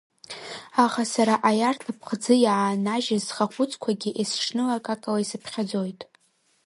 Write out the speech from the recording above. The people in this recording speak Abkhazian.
Аха сара аиарҭа ԥхӡы иааннажьыз схахәыцқәагьы есҽныла акакала исыԥхьаӡоит.